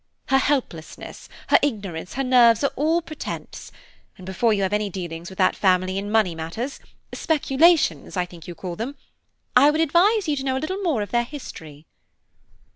Her helplessness, her ignorance, her nerves are all pretence, and before you have any dealings with that family in money matters–speculations I think you call them–I would advise you to know a little more of their history."